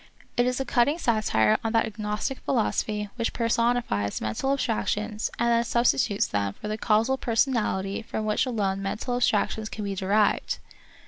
It is a cutting satire on that agnostic philosophy which per sonifies mental abstractions and then substitutes them for the causal personality from which alone mental ab stractions can be derived.